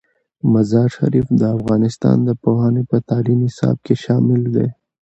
مزارشریف د افغانستان د پوهنې په تعلیمي نصاب کې شامل دی.